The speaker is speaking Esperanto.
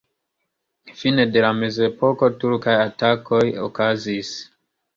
Fine de la mezepoko turkaj atakoj okazis.